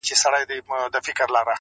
نن مي خیال خمار خمار لکه خیام دی،